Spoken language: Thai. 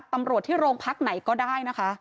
ตำรวจที่โรงพักไหนก็ได้นะคะ